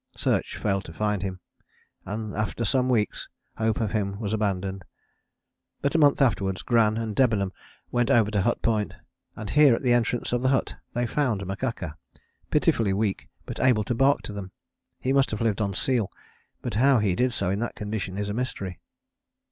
Search failed to find him and, after some weeks, hope of him was abandoned. But a month afterwards Gran and Debenham went over to Hut Point, and here at the entrance of the hut they found Makaka, pitifully weak but able to bark to them. He must have lived on seal, but how he did so in that condition is a mystery.